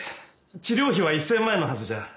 治療費は１千万円のはずじゃ。